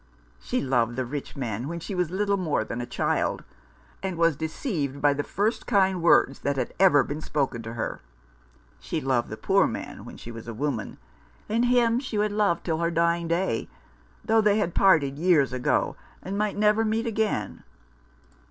She loved the rich man when she was little more than a child, and was deceived by the first kind words that had ever been spoken to her. She loved the poor man when she was a woman ; and him she would love till her dying day, though they had parted years ago, and might never meet again."